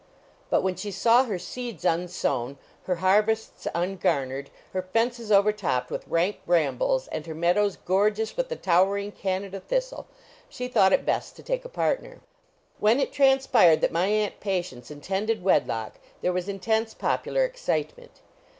But when she saw her seeds unsown, her harvests ungarnered, her fences overtopped with rank brambles and her meadows gorgeous with the towering Canada thistle she thought it best to take a partner. When it transpired that my Aunt Patience intended wedlock there was intense popular excitement.